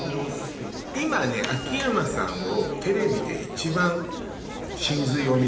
今秋山さんを。